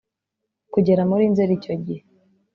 kugera muri nzeri icyo gihe